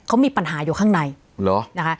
เขามีปัญหาอยู่ข้างในเหรอนะคะ